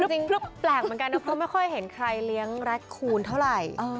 จริงก็แปลกเหมือนกันนะเพราะไม่ค่อยเห็นใครเลี้ยงแร็คคูณเท่าไหร่